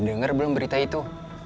lo udah denger belum berita itu